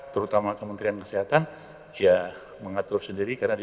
terutama kementerian kesehatan ya mengatur sendiri karena dia